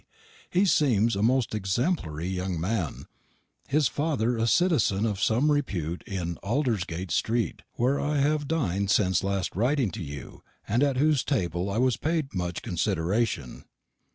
He semes a most exempelry young man; his father a cittizen of some repewt in Aldersgait street, ware I have din'd since last riting to you, and at hoose tabel I was paid much considerashun.